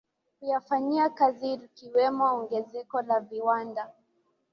kuyafanyia kazi likiwemo ongezeko la viwanda